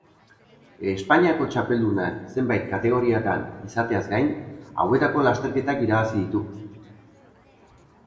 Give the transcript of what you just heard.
Espainiako txapelduna zenbait kategoriatan izateaz gain, hauetako lasterketak irabazi ditu.